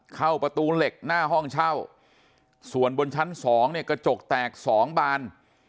เข้าประตูเหล็กหน้าห้องเช่าส่วนบนชั้นสองเนี่ยกระจกแตก๒บาน